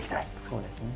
そうですね。